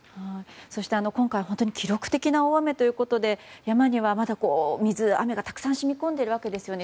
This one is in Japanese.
そして、今回本当に記録的な大雨ということで山にはまだ水、雨がたくさん染み込んでるわけですよね。